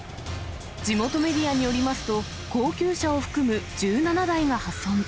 地元メディアによりますと、高級車を含む１７台が破損。